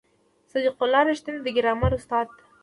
صدیق الله رښتین د ګرامر استاد و.